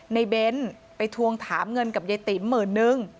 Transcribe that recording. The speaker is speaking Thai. เบ้นไปทวงถามเงินกับยายติ๋มหมื่นนึง